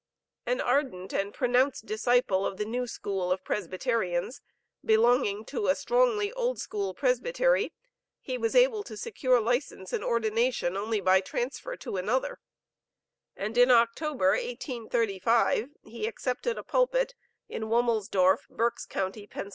An ardent and pronounced disciple of the "New School" of Presbyterians, belonging to a strongly Old School Presbytery; he was able to secure license and ordination only by transfer to another; and, in October, 1835, he accepted a pulpit in Womelsdorf, Berks County, Pa.